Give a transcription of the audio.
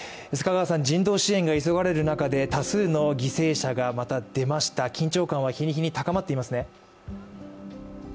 人道支援が急がれる中で多数の犠牲者がまた出ました緊張感が日に日に高まっていますね。